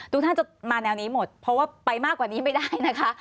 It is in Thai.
ทุกท่านจะมาแนวนี้หมดเพราะว่าไปมากกว่านี้ไม่ได้นะคะ